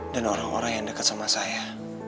dan orang orang yang deket sama saya